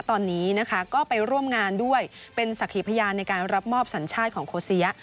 ตอนนี้นะคะก็ไปร่วมงานด้วยเป็นสักขีพยานในการรับมอบสัญชาติของโคเซีย